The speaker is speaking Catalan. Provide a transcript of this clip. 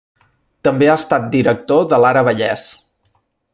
També ha estat director de l'Ara Vallès.